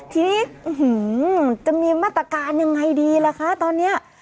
ทีนี้จะมีมาตรการยังไงดีล่ะคะตอนนี้